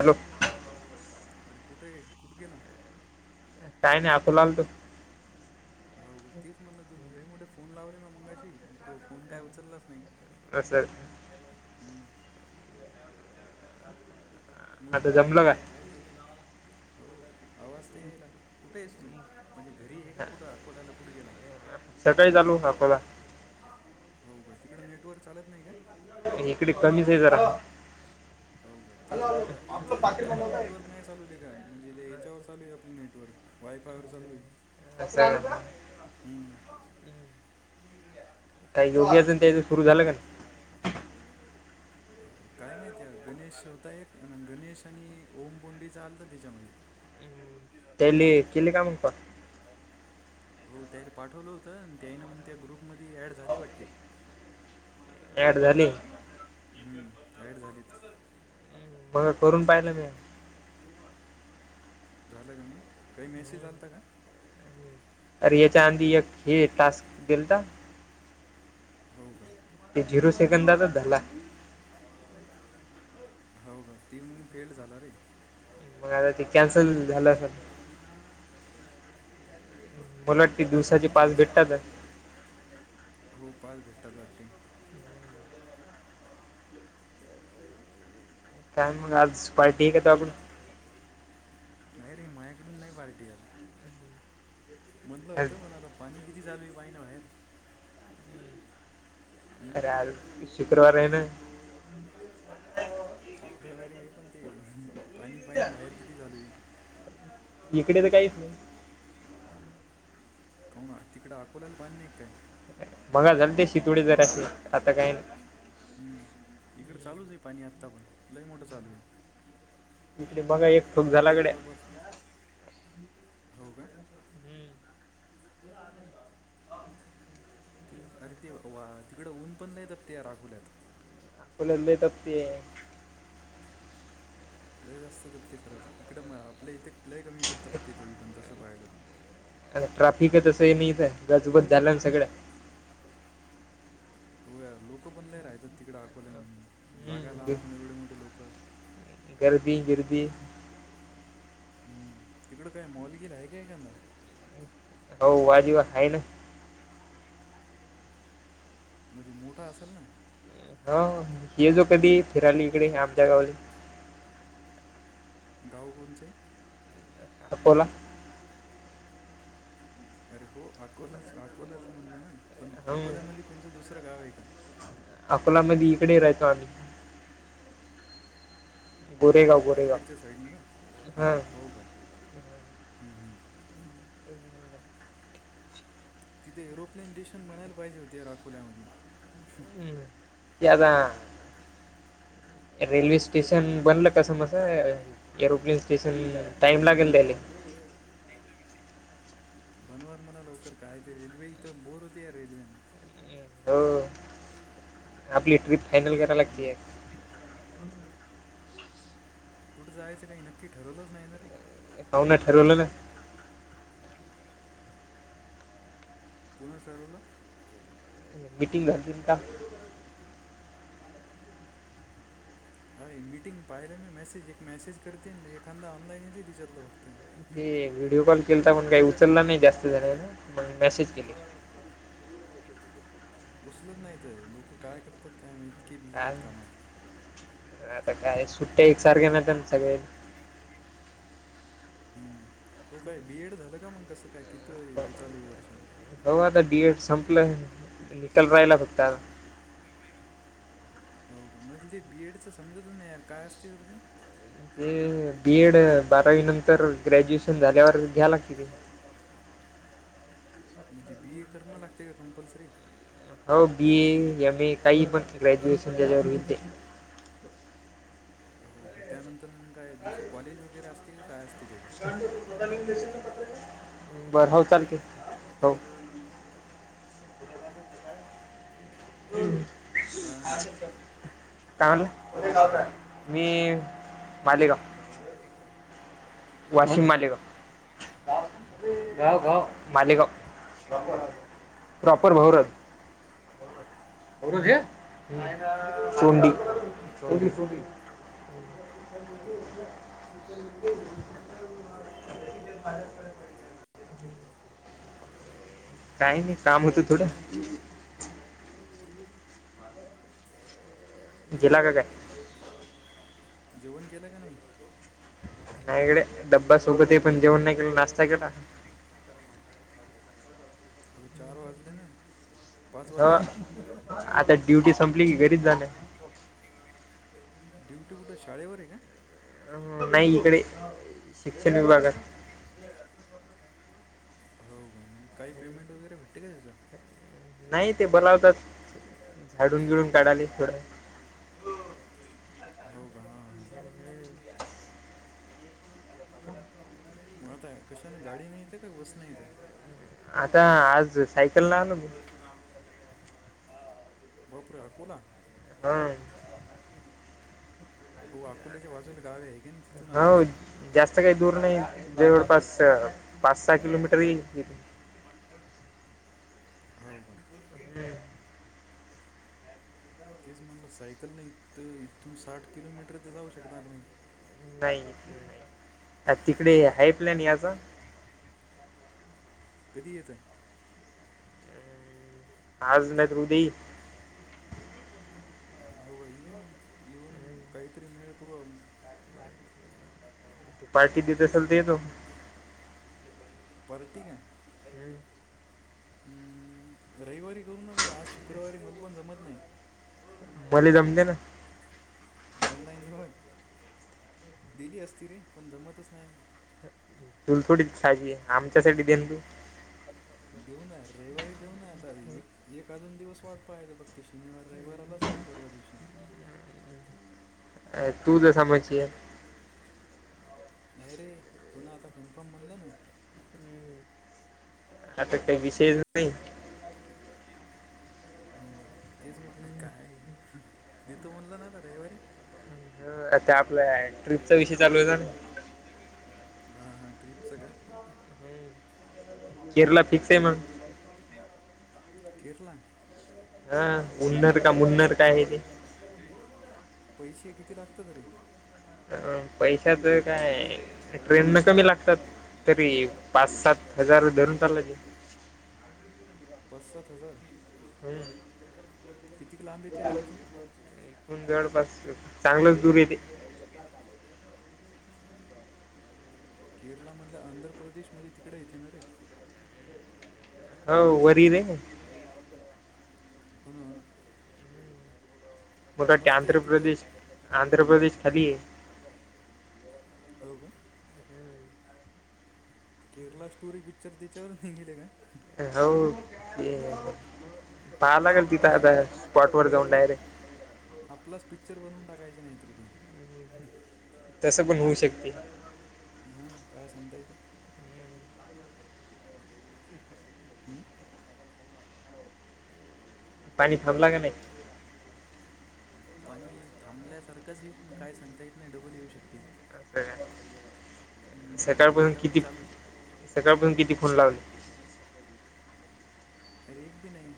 Hello अरे कुठे आहे. कुठे गेला. काय नाही आकोला आलतो. हो तेच म्हणलं‌. तुल लय मोठे फोन लावले म मंगाशी. तो फोन काय उचललाच नाही. [unintelligible] हम्म मग आता जमल काय? हो आवाज तर यायला कुठे आहेस तू. म्हणजे घरी आहे का कुठं अकोल्याल. कुठ गेला. सकाळीच आलू अकोला हो का. तिकड नेटवर्क चालत नाही का? इकडे कमीच आहे जरा‌. हो का तेच म्हणलं इथं इथं पण नेटवर्क नाही चालवले का? म्हणजे इथे याच्यावर चालू आहे आपलं नेटवर्क. वायफायवर चालू आहे. [unintelligible] हम्म. काही योगी अजुन काही सुरू झालं का नाही. अं, [inaudible] काय माहिती गणेश होता एक. आणि गणेश आणि ओमबोंडीचा आलता त्याच्यामध्ये. त्याली केली का मग पहा. हो त्यारी पाठवलं होतं. त्यायन मग त्या ग्रुप मध्ये ऍड झालं वाटते. ऍड झाले. हम्म ऍड झालीत. बघ करून पाहिलं मी. झालं ग मग. काही मेसेज आलता का? अरे याच्या आधी एक हे टास्क दिलता. हो का. ते झिरो सेकंदातच झाला. हो का ती मग फेल झाला रे! मग आता ते कॅन्सल झालं असेल. उलट ती काय माहीत दिवसाचे पाच कॅन्सल भेटतात. हो पाच भेटतात वाटते. काय मग आज पार्टी आहे का तुया कडून? नाही रे, मायाकडून नाही पार्टी आज. म्हटलं आज होतं, पण आता पाणी किती झालाय पाहिनं बाहेर. हम्म? खरंच आज शुक्रवार हाय ना? रवीवारी आहे, पण ते पाणी पाहिजे ना बाहेर किती झाल. इकडे तर काहीच नाही. कोणा तिकडें अकोल्याला पाणी नाही काय? मघा झालंते शितोडे जरासे आता काही नाही. हम्म, इकड चालूच आहे पाणी आतापण लई मोठं चालू आहे. इकडे बघा एकठूक झालागड्या. सकाळपासून हो का? ते अरे तेवा तिकडं, ऊन पण लय तपतय ते अकोल्यात. आकोला लय तापतीये. लय जास्त तपतय खरंच, इकडं आपल्या इथे लय कमी पण तपते तरी पण तसं पाहिलं तर आणि ट्राफिक तसं हे नाही हित, गजबोज च झालं ना सगळ हो यार लोक पण लयं राहतात तिकडे अकवल्यामध्ये. जागा ग- लहान एवढे मोठे लोक गर्दी, गर्दी. हम्म, तिकड काय मॉलगिर आहे क एकांदा? हो वादी वाद आहे ना! म्हणजे मोठा असेल ना? हा ये जोकधी फिरायला, इकडे आच्या गावला. गाव कोणचे? अकोला! अरे, हो अकोलाच अकोल्याच म्हणलं ना पण. हं. अकोल्यामध्ये कोणचं दुसरं गाव आहे का? अकोलामध्ये इकडे राहयतो आम्ही! गोरेगाव अलीकडच्या गोरेगाव साईडने का हा, हां हो का? तिथे एरोप्लेन स्टेशन बनायला पाहिजे होते अकोल्यामध्ये. हम्म त्यांना रेल्वे स्टेशन बनलं कसं बसं, एरोप्लेन स्टेशन टाइम लागेल त्यले. [inaudible] बनवाल म्हणा लवकर काय ते रेल्वे इथ बोर होते या रेल्वेन. हो, आपली ट्रिप फायनल कराय हम्म. लागतीय. कुठं जायचं काही नक्की ठरवलंच नाही रे? हाऊ ना ठेरवलना! कोणाच ठरवलं? मीटिंग झालती ना काल. अरं मिटिंग पाहिलं मी मेसेज एक मेसेज करते ना, एखादा ऑनलाईन येत विचारलं फक्त. ते व्हिडिओ कॉल केलता तर पण काही उचलला नाही जास्तजणांनी पन मेसेज केले. उचलत नाहीत, लोक काय करतात काय माहित इतके बिझी काय आहेत कामात. आता काय सुट्ट्या एक सारख्या नाहीत सगळ्यां ह तु काय बीएड झालं का, मग कसं काय किती हे चालू आहे हे वर्ष? हो आता बी एड संपलं, निकाल राहिला फक्त आता. हो का. मला ते बीएडच समजत नाही यार काय असते बरं ते. बीएड बारावी नंतर ग्रॅज्युएशन झाल्यावर घ्याला लागत ते. [inaudible] म्हणजे बी ए करणं लागण लागतयं का... कंपल्सरी. हो बी ए एम ए काही पण ग्रॅज्युएशन केल्यावर होईल ते. ह. हो का. त्यानंतर मग काय दुसरं कॉलेज वगैरे असते क काय असते? त्याचं [unintelligible] बरं हो चालतय. हो हं [inaudible] [unintelligible] काय झालं? कोणत्या गावचा हाय? मी मालेगाव. वाशिम मालेगाव. गाव गाव मालेगाव. प्रॉपर भौरत. भारत हे नाही ना सोंडी, सोंडी, सोंडी. [inaudible] कधी बाहेर पडायचं? काही नाही काम होतं थोडं. जिल्हा की काय? जेवण केलं का नाही? नाही इकडे डब्बा सोबत आहे. पण जेवण नाही केलं नाश्ता केला. ह [inaudible] अभी चार वाजले ना. ! हं आता ड्युटी संपली की घरीच जाणार. ड्युटी कुठे? शाळेवर आहे का? अं, नाही इकडे शिक्षण विभागात. हो का म्हणजे काही पेमेंट वगैरे भेटते का त्याचा? नाही ते बोलावतात झाडून बिडून काढायला थोडं. हो. हो का? हा हा. मग आता कशाने गाडीने येता का? बस ने? आता आज सायकलन आलो ब. बापरे! हा आकोला. हं! हो. अकोल्याच्या बाजूला गाव हाय एक. हो जास्त काही. दूर नाही जवळपास पाच, सहा किलोमीटर येईल. [unintelligible] हो का? हं. तेच म्हणलं सायकल नाही. इथून साठ किलोमीटर तर जाऊ शकणार नाही? नाही तिकडे हाईप्लॅन या - - ता [inaudible] कधी येतय? हम्म. आज नाही तर उद्या येईल. हो का. ये मग येऊन काहीतरी मेळ करू मग - - पार्टी देत असल तर येतो. पार्टी का? हम्म. हं रविवारी करू ना? बरं आज शुक्रवारी मला पण जमत नाही. [unintelligible] जमते ना. मन लाईन जव [inaudible] दिली असती रे पण जमतच नाही ना तुलाच थोडी खायची आमच्या साठी दे तू येऊ ना रविवारी जाऊ ना आता एक एक का अजून दिवस वाट पाहायचा. बघत शनिवार रविवार आलाच मग परवा दिवशी अ तूझ जसा म्हंचील. नाही रे पुन आता कन्फर्म म्हणलं ना. आत काय विशेषयच नाही. हम्म, तेच म्हणलं काय दतो म्हणल ना ना रविवारी. ह आता आपल्या ट्रिपचा विषय चालू होतना. हां हां ट्रिपचं का, हम्म. केरला फिक्स आहे मग. केरला. हा जुन्नर का मुन्नर काय प आहे ते. पैसे किती लागत तरे. अ पैशाच काय ट्रेन न कमी लागतात. तरी पाच सात हजार धरून चालायचे. पाचसात हजार. किती लांब येते बरं इथून हम्म. जवळपास चांगलंच दूर येते. केरळमधल्या आंध्र प्रदेशमध्ये तिकडे येते ना रे. हो वर दे. होन हो ना. म का ते मस्त आहे आंध्र तिथं प्रदेश आंध्र प्रदेश खाली आहे. कुट. केरला स्टोरी पिक्चर त्याच्यावर नाघालय काय. हो क, [inaudible] पाहावं लागेल तिथं पाहिलं आता स्पॉट वर जाऊन आप डायरेक्ट. [inaudible] काय नाहीत ते. [inaudible] तसं पण होऊ शकते. हा काय सांगता येते. [inaudible] हम्म. पाणी थांबला का नाही. [inaudible] पाणी थांबल्यासारखंच ये पण काय सांगता येत नाही डबल येऊ शकते. हम्म [unintelligible] म्हणजे सकाळपासून अर्धावट किती चालूच सेकाळपासून किती फोन लागवले. अर एक बी नाही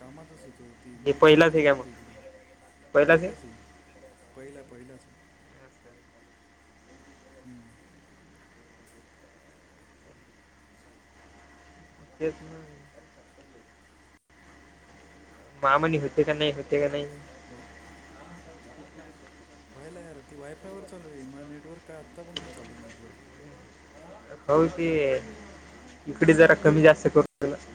कामातच हो. हो ती हे पहिलाच नेटवर्कच आहे काय नव्हतं मग इकडं पहिलाच पहिलंच आहे पहिलं पहिलाच आहे. आहे हम्म. तेच ना का मणी होते का नाही होते का नाही. मग. [inaudible] व्हायला यार ती वायफायवर चालू आहे मला नेटवर्क काय आत्ता पण नाही चालू आहे नेटवर्क. होऊ ते इकडे जरा कमी जास्त करूला. [inaudible]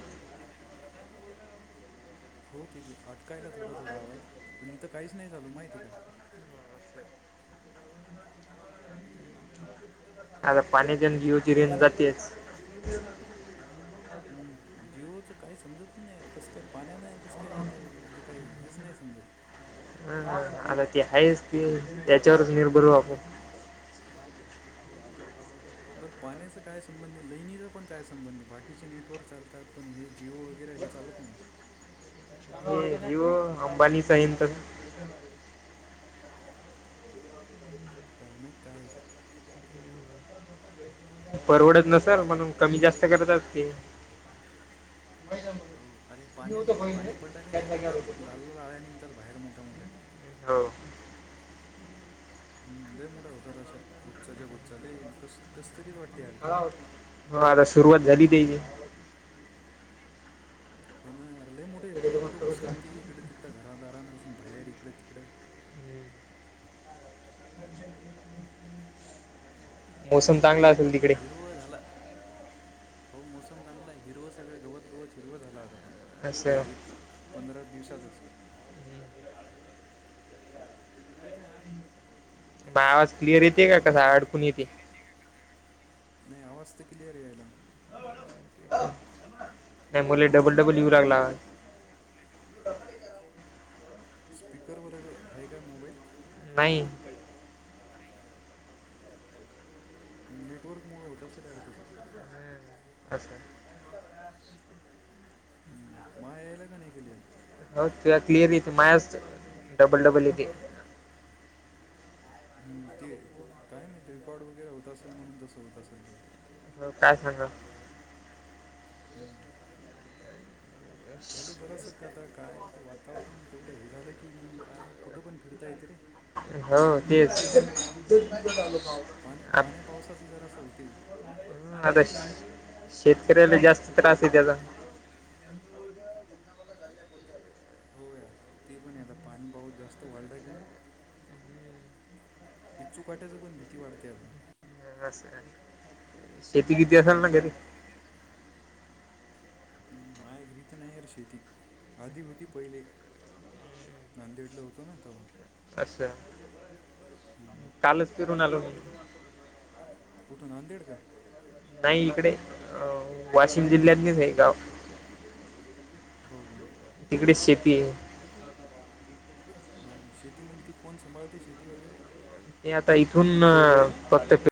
हो तिथे अटकायला थोडा थोडा आवाज पण इथं काहीच नाही चालू माहिती आहे काय. असले. आता पाण्याच्यान जीओची रेंज लयच जातेच. [inaudible] हम् जीवच काही समजत नाही यार कसं काय पाण्या नाही कसं काय जाते म्हणजे काही हेच नाही समजत. हा आता ती आहेच की त्याच्यावरच निर्भर हो आप आपण. बर पाण्याचा काय संबंध आहे लैणीचा पण काय संबंध आहे बाकीचे नेटवर्क चालतात पण हे जिओ वगैरे, हे चालत नाही. ह. अंबानीचाहीन तर. काय माहित काय हे तर. परवडत नसल म्हणून कमी जास्त करतात असतील हो अरे पाण्याचं बी पाणी पडत का नाही आता ते लाल लाल आळ्या नीग तर बाहेर मोठ्या मोठ्याने हो हम् लय मोठा होतात अशा गुच्चाच्या गुच्चाले कसं कसतरीच वाटते आर त्या. हो आता सुरुवात झाली तेची. पण आर लय मोठे आहेत. कुठं कुठं घुसतात ते इकडे तिकडे घरादरान च बाहेर इकडे तिकडे. [inaudible] मोसम. चांगला असेल पण तिकडे हिरव झाला. हो मोसम चांगला आहे हिरवं सगळं गवतं गवतं हिरवं झाला आता पणं. या असं एक पंधरा दिवसातच. मग आवाज क्लिअर येते का बाकी कसा काय अडकून नाही येते. नाही आवाज तरं क्लिअर यायला. नाही मले डबल डबल येऊ लागला. स्पीकर वरं आहे का मोबाईल? नाही. नेटवर्क मुळं होत असेल आर तसं. हम्म, असं हम् मा यायला का नाही क लियर तुला क्लिअर येते मायाच डबल डबल येते. हम्म ते काय नाहीत रेकॉर्ड वगैरे होत असेल म्हणून तसं होत असेल काही. हो काय सांगा. हम्म. झालं जरा असं का आता काय ते वातावरण तेवढं हे झालं की मगं कायं कुठं पण फिरता येत रे. हो तेच [unintelligible] पाण्या आप- पाण्या पावसाचं जरा असं होतंय. हम्म, आता शेतकऱ्याला जास्त त्रास आहे त्याचा. हो यार ते पण आता पाणी पाऊत जास्त वाढलाय की ना इचू काट्याच पण भीती वाटते आता. असं शेती बीती असालं ना हम्म घरी. हम माय घरीत नाहीर शेती आधी होती पहिले. नांदेडला होतो ना तेव्हा. असं. हम्म. कालच फिरून आलो मी कुठून नांदेड का? नाही इकडे अ वाशिम जिल्ह्यातीलच आहे गावं. हो [inaudible] तिकडे शेती आहे. हो शेती मगं ती कोण सांभाळते शेती वगैरे? ते आता इथून फक्त.